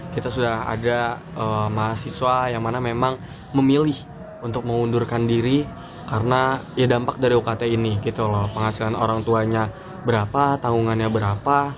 kita sudah ada mahasiswa yang mana memang memilih untuk mengundurkan diri karena ya dampak dari ukt ini gitu loh penghasilan orang tuanya berapa tahunannya berapa